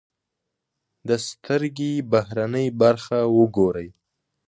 د سترکې بهرنۍ برخه و ګورئ.